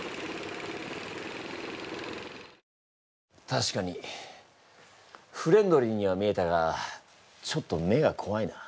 たしかにフレンドリーには見えたがちょっと目がこわいな。